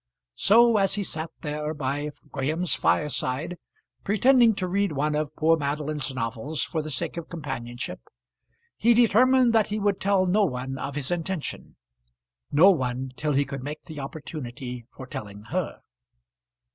So as he sat there by Graham's fireside, pretending to read one of poor Madeline's novels for the sake of companionship, he determined that he would tell no one of his intention; no one till he could make the opportunity for telling her.